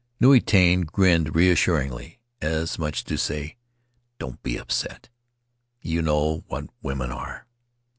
Nui Tane grinned reassuringly, as much as to say: "Don't be upset. You know what women are."